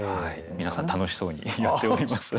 皆さん楽しそうにやっております。